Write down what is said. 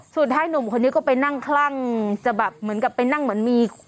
สุดท้ายหนุ่มคนนี้ก็ไปนั่งคลั่งจะแบบเหมือนกับไปนั่งเหมือนมี